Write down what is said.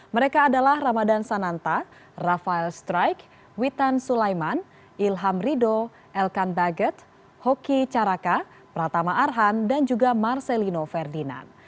mereka adalah ramadan sananta rafael strike witan sulaiman ilham rido elkan baget hoki caraka pratama arhan dan juga marcelino ferdinand